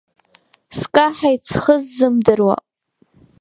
Скаҳаит схы сзымдыруа.